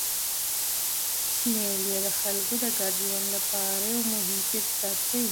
مېلې د خلکو د ګډ ژوند له پاره یو مهم فرصت دئ.